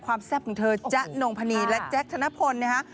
ความแทฟของเธอจ๊ะนองภะนีและแจ๊คธนพลนะฮะ